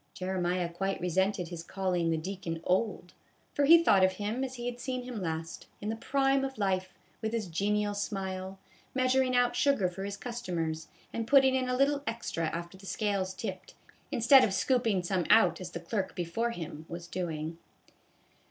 Jeremiah quite resented his calling the deacon old, for he thought of him as he had seen him last, in the prime of life, with his genial smile, measuring out sugar for his customers, and putting in a little extra after the scales tipped, instead of scooping some out as the clerk before him was doing.